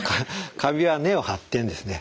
カビは根を張ってんですね。